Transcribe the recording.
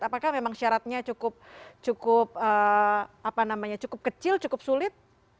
apakah memang syaratnya cukup kecil cukup sulit